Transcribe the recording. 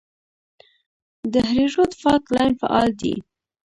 د هریرود فالټ لاین فعال دی